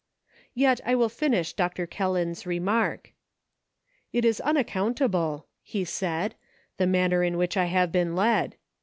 Yet I will finish Dr. Kelland's remark. " It is unaccountable," he said, " the manner in which I have been led